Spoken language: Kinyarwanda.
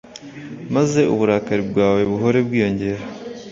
maze uburakari bwawe buhore bwiyongera